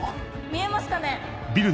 見えますかね？